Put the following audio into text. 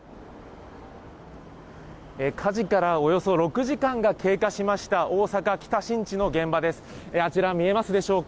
火事からおよそ６時間が経過しました、大阪・北新地の現場です。